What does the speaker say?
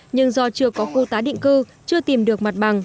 nhưng do chưa có khu tái định cư chưa tìm được mặt bằng